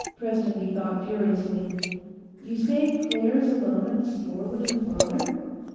Prestonby thought furiously. "You say Claire's alone at the store with her father?"